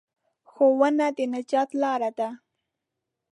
ښوونه د نجات لاره ده.